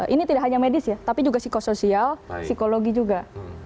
ini tidak hanya medis ya tapi juga psikosoial psikologi juga